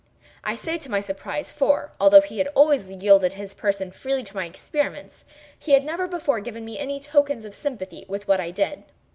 I say to my surprise, for, although he had always yielded his person freely to my experiments, he had never before given me any tokens of sympathy with what I did.